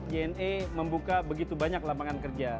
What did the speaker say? jna membuka begitu banyak lapangan kerja